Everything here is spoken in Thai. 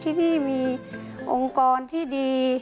ที่พี่มีองค์กรที่ดี